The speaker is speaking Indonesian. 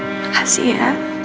terima kasih ya